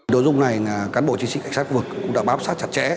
đội dung này là cán bộ chính sĩ cảnh sát vực cũng đã bám sát chặt chẽ